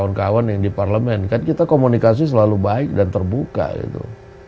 kawan kawan yang di parlemen kan kita komunikasi selalu baik dan terbuka gitu